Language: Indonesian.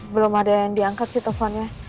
belum ada yang diangkat sih telfonnya